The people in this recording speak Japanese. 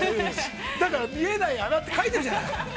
◆だから、見えない穴って書いてるじゃない。